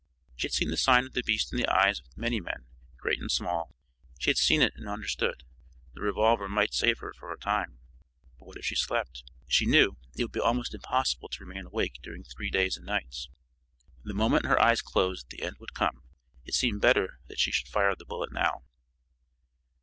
She had seen the sign of the beast in the eyes of many men, great and small; she had seen it and understood. The revolver might save her for a time, but what if she slept? She knew it would be almost impossible to remain awake during three days and nights. The moment her eyes closed the end would come. It seemed better that she should fire the bullet now.